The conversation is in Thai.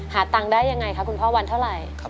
ตังค์ได้ยังไงคะคุณพ่อวันเท่าไหร่